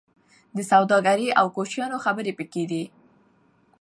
د سوداګرۍ او کوچیانو خبرې پکې دي.